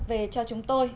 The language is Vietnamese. về cho chúng tôi